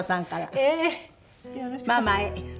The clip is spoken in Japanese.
「ママへ。